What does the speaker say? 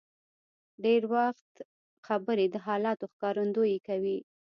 ډېر وخت خبرې د حالاتو ښکارندویي کوي.